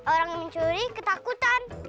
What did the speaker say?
orang yang mencuri ketakutan